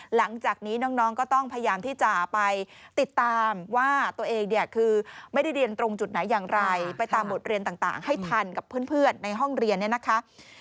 หลังจากนี้น้องก็ต้องพยายามที่จะไปติดตามว่าตัวเองเนี่ยคือไม่ได้เรียนตรงจุดไหนอย่างไรไปตามบทเรียนต่างให้ทันกับเพื่อนในห้องเรียนเนี่ยนะคะ